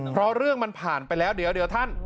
เพราะเรื่องมันผ่านไปแล้วเดี๋ยวท่าน